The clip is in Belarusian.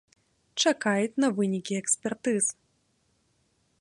Чакаюць на вынікі экспертыз.